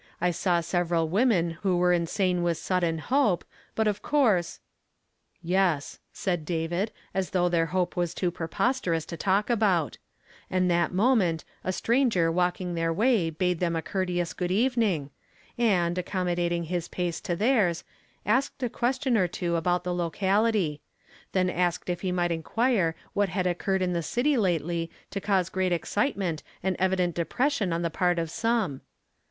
I saw several women who were insane with sudden hope ; but of course "—" Yes," said David, as though their hope was too preposterous to talk about ; and that moment a stranger walking their way bade them a courte ous good evening, and, accommodating his pace to theii s, asked a question or two about the locality ; then asked if he might inquire what had occurred in the city lately to cause great excitement and evident depression on the part of some.